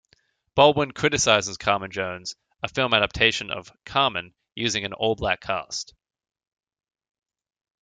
Baldwin criticises Carmen Jones, a film adaptation of "Carmen" using an all black cast.